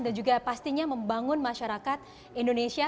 dan juga pastinya membangun masyarakat indonesia